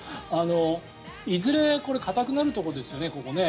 いずれ固くなるところですよね、ここ。